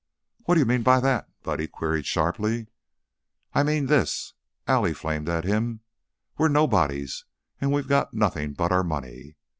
"What d'you mean by that?" Buddy queried, sharply. "I mean this," Allie flamed at him. "We're nobodies and we've got nothing but our money.